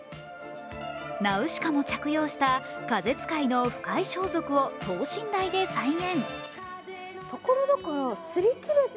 ナウシカも着用した風使いの腐海装束を等身大で再現。